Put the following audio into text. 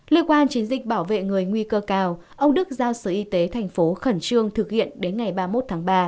liên quan chiến dịch bảo vệ người nguy cơ cao ông đức giao sở y tế tp hcm thực hiện đến ngày ba mươi một tháng ba